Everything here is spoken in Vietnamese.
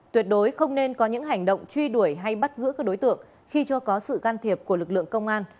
tuyệt đối không nên có những hành động truy đuổi hay bắt giữ các đối tượng khi chưa có sự can thiệp của lực lượng công an